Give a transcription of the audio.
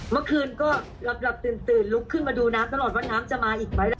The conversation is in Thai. เมื่อคืนก็หลับตื่นลุกขึ้นมาดูน้ำตลอดว่าน้ำจะมาอีกไหมล่ะ